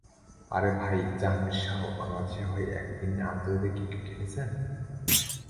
তার ভাই জাহাঙ্গীর শাহ, বাংলাদেশের হয়ে একদিনের আন্তর্জাতিক ক্রিকেট খেলেছেন।